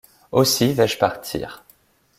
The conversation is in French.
Aussi, vais-je partir.